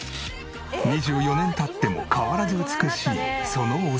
２４年経っても変わらず美しいそのお姿。